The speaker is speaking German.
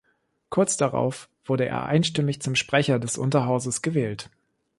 Kurz darauf wurde er einstimmig zum Sprecher des Unterhauses gewählt.